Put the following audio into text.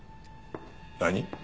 何？